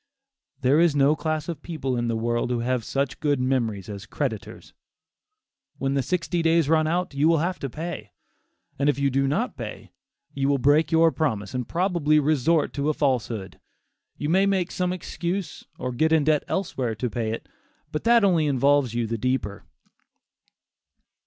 There is no class of people in the world who have such good memories as creditors. When the sixty days run out, you will have to pay. If you do not pay, you will break your promise and probably resort to a falsehood. You may make some excuse or get in debt elsewhere to pay it, but that only involves you the deeper.